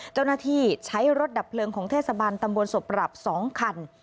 เจ้าหน้าที่ใช้รถดับเพลิงของเทศบาลตำบลศพปรับ๒คัน